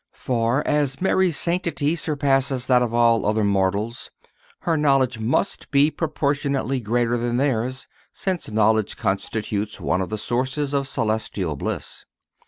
For, as Mary's sanctity surpasses that of all other mortals, her knowledge must be proportionately greater than theirs, since knowledge constitutes one of the sources of celestial bliss.